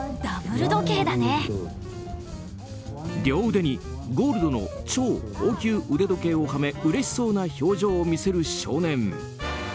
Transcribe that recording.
両腕にゴールドの超高級腕時計をはめうれしそうな表情を見せる少年。